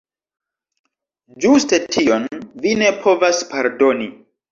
Ĝuste tion vi ne povas pardoni.